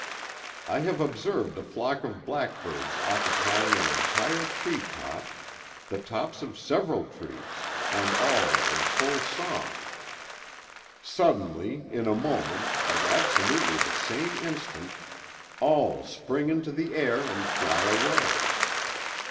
I have observed a flock of blackbirds occupying an entire tree top—the tops of several trees—and all in full song. Suddenly—in a moment—at absolutely the same instant—all spring into the air and fly away.